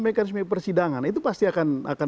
mekanisme persidangan itu pasti akan